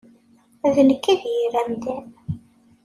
D nekk i d yir amdan.